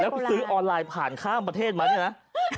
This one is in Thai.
ไปซื้อออนไลน์ผ่านข้ามประเทศมาเนี่ยนะ